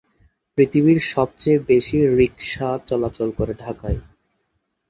পৃথিবীর সবচেয়ে বেশি রিকশা চলাচল করে ঢাকায়।